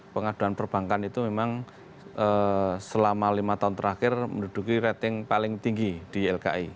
pengaduan perbankan itu memang selama lima tahun terakhir menduduki rating paling tinggi di ylki